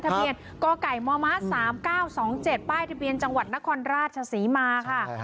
ทะเบียนกไก่มม๓๙๒๗ป้ายทะเบียนจังหวัดนครราชศรีมาค่ะ